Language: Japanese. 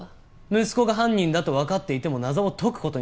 息子が犯人だとわかっていても謎を解く事にこだわった。